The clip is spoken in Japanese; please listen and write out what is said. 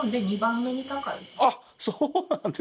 あっそうなんです！？